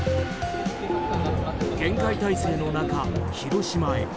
厳戒態勢の中、広島へ。